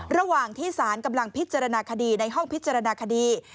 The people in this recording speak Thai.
ระหว่างที่สารกำลังพิจารณาคดีในห้องพิจารณาคดี